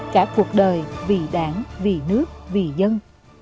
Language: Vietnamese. cả cuộc đời vì đảng vì nước vì dân